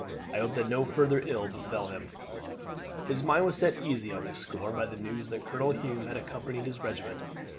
I hope that no further ill befell him." His mind was set easy on this score by the news that Colonel Hume had accompanied his regiment.